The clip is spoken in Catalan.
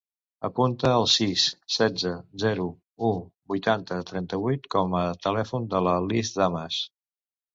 Apunta el sis, setze, zero, u, vuitanta, trenta-vuit com a telèfon de la Lis Damas.